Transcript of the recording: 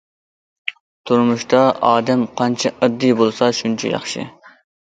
تۇرمۇشتا ئادەم قانچە ئاددىي بولسا شۇنچە ياخشى.